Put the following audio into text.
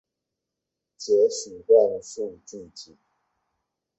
擷取亂數句子